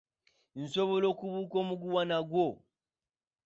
Nsobola okubuuka omuguwa nagwo.